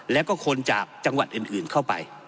แล้วก็คนจากจังหวัดอื่นเข้าไป